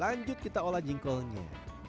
lanjut kita olah jengkolnya